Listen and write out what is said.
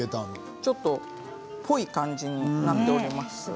ちょっとぽい感じになっております。